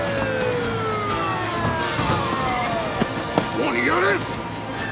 もう逃げられん！